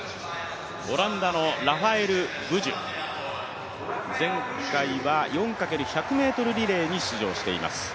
オランダのラファエル・ブジュ、前回は４×１００ｍリレーに出場しています。